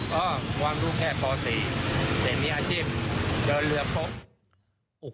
เพราะวางรูปแค่ป๔เสร็จมีอาชีพเดินเรือปุ๊บ